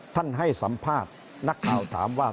ให้สัมภาษณ์นักข่าวถามว่า